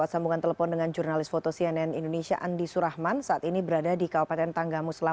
saya berada di polres tanggamus